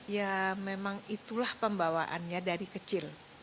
ya memang itulah pembawaannya dari kecil